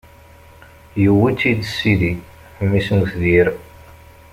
Yewwi-tt-id Sidi, mmi-s n utbir.